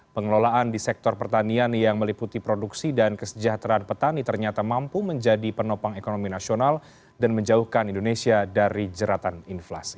pengelolaan di sektor pertanian yang meliputi produksi dan kesejahteraan petani ternyata mampu menjadi penopang ekonomi nasional dan menjauhkan indonesia dari jeratan inflasi